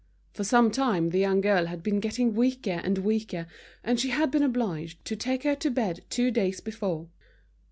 For some time the young girl had been getting weaker and weaker, and she had been obliged to take to her bed two days before.